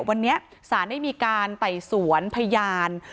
วันนี้ศาลได้มีการไต่สวนพยาน